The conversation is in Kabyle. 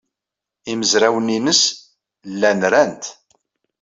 Imezrawen-nnes llan ran-t.